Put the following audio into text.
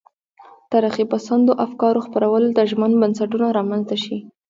ترقي پسندو افکارو خپرولو ته ژمن بنسټونه رامنځته شي.